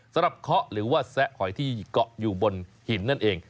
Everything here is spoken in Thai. สำหรับค้าหรือว่าแซะหอยที่ก็อยู่บนหินนั่นเอง